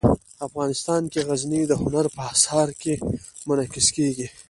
افغانستان کې غزني د هنر په اثار کې منعکس کېږي.